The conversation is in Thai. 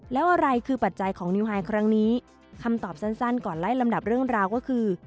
แล้วอะไรคือปัจจัยของนิวไฮครั้งนี้คำตอบสั้นก่อนไล่ลำดับเรื่องราวก็คือ